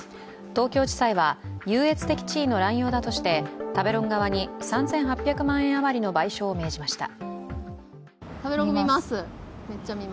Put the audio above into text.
東京地裁は、優越的地位の濫用だとして食べログ側に３８００万円あまりの賠償を命じました。